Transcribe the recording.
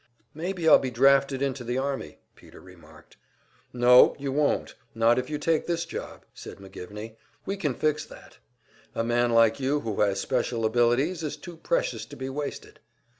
"Maybe I'll be drafted into the army," Peter remarked. "No, you won't not if you take this job," said McGivney. "We can fix that. A man like you, who has special abilities, is too precious to be wasted."